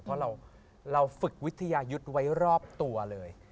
เพราะเราฝึกวิทยายุทธ์ไว้รอบตัวเลย